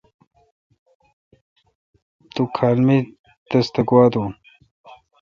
تو کھال مے°تس تہ گوا دون۔